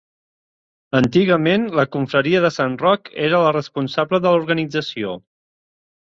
Antigament la confraria de Sant Roc era la responsable de l'organització.